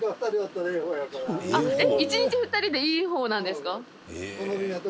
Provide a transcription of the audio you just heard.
１日２人でいいほうなんですか？